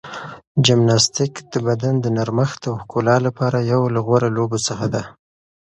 جمناستیک د بدن د نرمښت او ښکلا لپاره یو له غوره لوبو څخه ده.